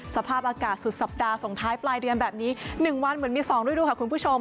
สภาพอากาศสุดสัปดาห์ส่งท้ายปลายเดือนแบบนี้๑วันเหมือนมี๒ฤดูค่ะคุณผู้ชม